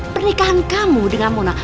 pernikahan kamu dengan mona